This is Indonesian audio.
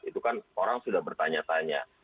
itu kan orang sudah bertanya tanya